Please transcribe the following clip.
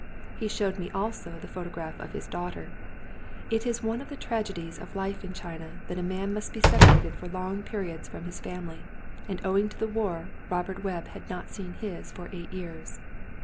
He showed me also the photo graph of his daughter. It is one of the tragedies of life in China that a man must be separated for long periods from his family, and owing to the war Robert Webb had not seen his for eight years.